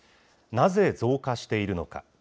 なぜ増加しているのか。